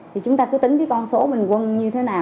thì chúng ta cứ tính cái con số bình quân như thế nào